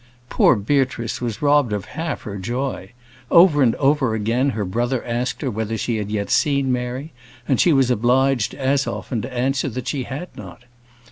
Poor Beatrice was robbed of half her joy: over and over again her brother asked her whether she had yet seen Mary, and she was obliged as often to answer that she had not.